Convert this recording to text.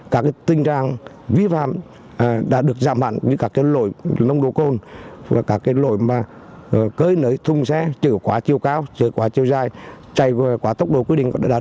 các tình trạng vi phạm đã được giảm hẳn với các cái lỗi nồng đồ côn các cái lỗi cưới nới thung xe chở quá chiều cao chở quá chiều dài chạy quá tốc độ quy định đã được giảm hẳn